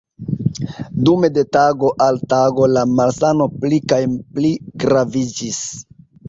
Dume de tago al tago la malsano pli kaj pli graviĝis.